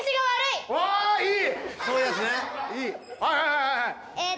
いい！